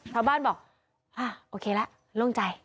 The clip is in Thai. ข้าวบ้านบอกอ่ะโอเคละลงใจ